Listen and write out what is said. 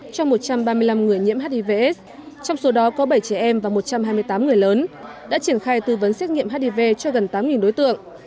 cho một trăm ba mươi năm người nhiễm hivs trong số đó có bảy trẻ em và một trăm hai mươi tám người lớn đã triển khai tư vấn xét nghiệm hiv cho gần tám đối tượng